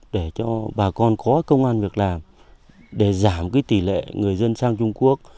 để cho bà con có công an việc làm để giảm cái tỷ lệ người dân sang trung quốc